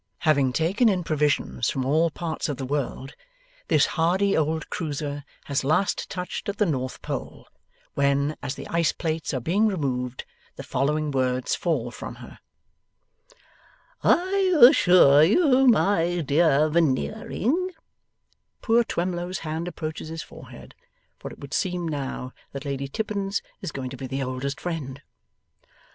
Having taken in provisions from all parts of the world, this hardy old cruiser has last touched at the North Pole, when, as the ice plates are being removed, the following words fall from her: 'I assure you, my dear Veneering ' (Poor Twemlow's hand approaches his forehead, for it would seem now, that Lady Tippins is going to be the oldest friend.)